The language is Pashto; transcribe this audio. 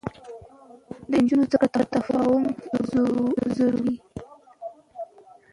د نجونو زده کړه تفاهم ژوروي.